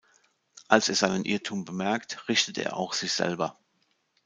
Als er seinen Irrtum bemerkt, richtet er auch sich selber.